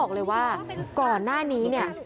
เพื่อนบ้านเจ้าหน้าที่อำรวจกู้ภัย